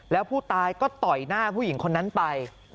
แล้วผู้ตายก็ต่อยหน้าผู้หญิงคนนั้นไป